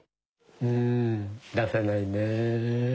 うん出せないね。